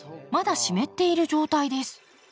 まだ湿っている状態です。